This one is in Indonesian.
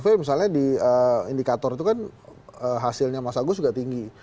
walaupun ada juga berbagai survei misalnya di indikator itu kan hasilnya mas agus juga tinggi